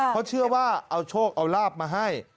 เขาเชื่อว่าเอาโชคเอาลาบมาให้